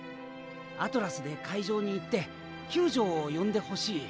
アトラスで海上に行って救助を呼んでほしい。